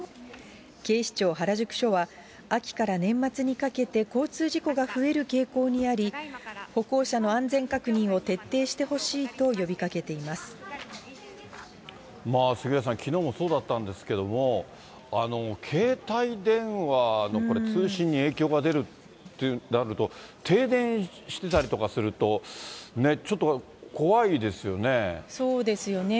警視庁原宿署は、秋から年末にかけて交通事故が増える傾向にあり、歩行者の安全確認を徹底してほし杉上さん、きのうもそうだったんですけれども、携帯電話のこれ、通信に影響が出るとなると、停電してたりとかすると、そうですよね。